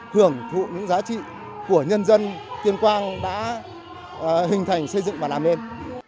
hưởng thụ những giá trị của nhân dân tuyên quang đã hình thành xây dựng và làm nên